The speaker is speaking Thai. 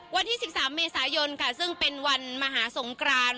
วันที่๑๓เมษายนค่ะซึ่งเป็นวันมหาสงกราน